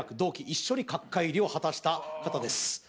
一緒に角界入りを果たした方です